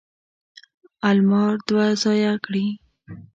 المار دوه ځایه کړي.